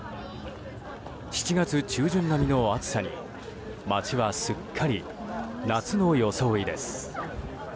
７月中旬並みの暑さに街はすっかり、夏の装いです。